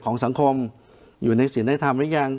ของสังคมอยู่ในศิลธรรมหรือยัง